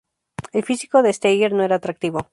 El físico de Steiger no era atractivo.